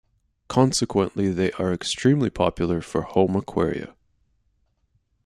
Consequently, they are extremely popular for home aquaria.